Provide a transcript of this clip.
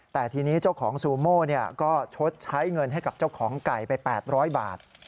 แต่ทีนี้เจ้าของซูโม่ก็ชดใช้เงินให้กับเจ้าของไก่ไป๘๐๐บาท